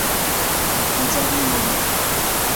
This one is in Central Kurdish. دوو جار نایڵێم.